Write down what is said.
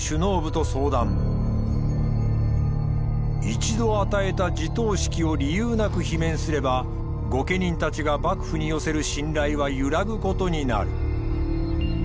一度与えた地頭職を理由なく罷免すれば御家人たちが幕府に寄せる信頼は揺らぐことになる。